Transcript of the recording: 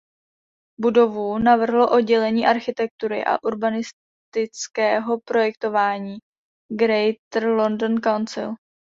Budovu navrhlo oddělení architektury a urbanistického projektování Greater London Council.